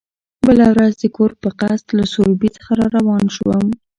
بله ورځ د کور په قصد له سروبي را روان شوم.